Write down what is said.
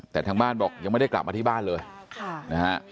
แต่ทางบ้านบอกยังไม่ได้กลับมาที่บ้านเลยค่ะนะฮะ